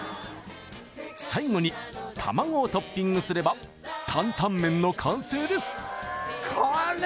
最後に卵をトッピングすれば担々麺の完成です